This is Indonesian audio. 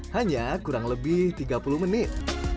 hanya kurang lebih tiga puluh menit